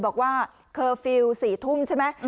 บอกว่าเคอร์ฟิลล์๔ทุ่มใช่ไหม